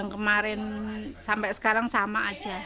kemarin sampai sekarang sama aja